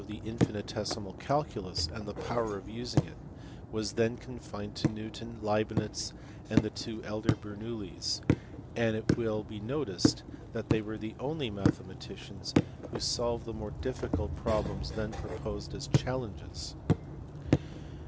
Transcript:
the infinitesimal calculus and the power of using it was then confined to Newton, Leibnitz, and the two elder Bernoullis and it will be noticed that they were the only mathematicians who solved the more difficult problems then proposed as chal lenges.